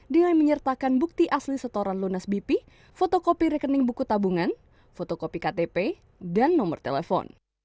dengan menyertakan bukti asli setoran lunas bp fotokopi rekening buku tabungan fotokopi ktp dan nomor telepon